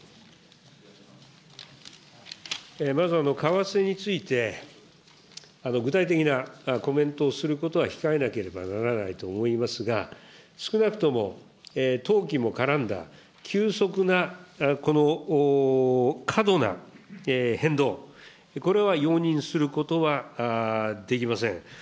まず為替について、具体的なコメントをすることは控えなければならないと思いますが、少なくとも投機も絡んだ急速な、この過度な変動、これは容認することはできません。